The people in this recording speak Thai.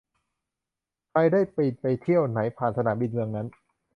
ใครได้บินไปเที่ยวไหน ผ่านสนามบินเมืองนั้น